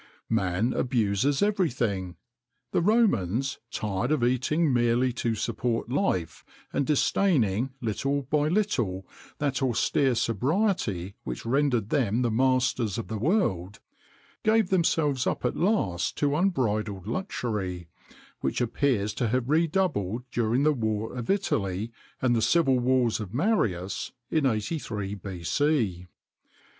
[XXIX 86] Man abuses every thing. The Romans, tired of eating merely to support life, and disdaining, little by little, that austere sobriety which rendered them the masters of the world, gave themselves up at last to unbridled luxury, which appears to have redoubled during the war of Italy, and the civil wars of Marius, 83 B.C.